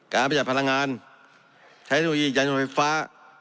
การบริหารพลังงานใช้ดูอีกเนินไฟฟ้า